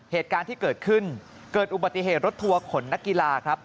เหตุการณ์ที่เกิดขึ้นเกิดอุบัติเหตุรถทัวร์ขนนักกีฬาครับ